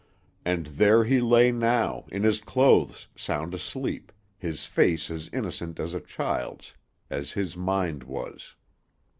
And there he lay now, in his clothes, sound asleep, his face as innocent as a child's, as his mind was.